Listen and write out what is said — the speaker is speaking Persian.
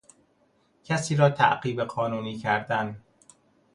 کسی را تعقیب قانونی کردن